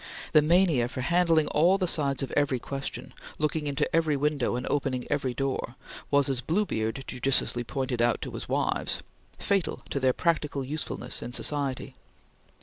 The mania for handling all the sides of every question, looking into every window, and opening every door, was, as Bluebeard judiciously pointed out to his wives, fatal to their practical usefulness in society.